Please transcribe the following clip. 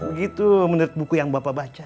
begitu menurut buku yang bapak baca